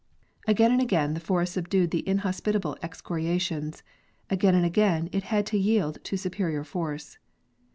Again and again the forest subdued the inhospitable excoria tions; again and again it had to yield to superior force.